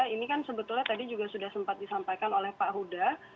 ini kan sebetulnya tadi juga sudah sempat disampaikan oleh pak huda